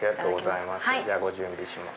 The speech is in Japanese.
じゃあご準備します。